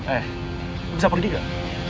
eh bisa pergi gak